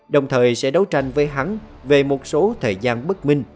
đồng thời sẽ đấu tranh với hắn về một số thời gian bất minh